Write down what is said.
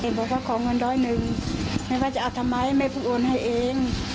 บอกว่าขอเงินร้อยหนึ่งไม่ว่าจะเอาทำไมแม่เพิ่งโอนให้เอง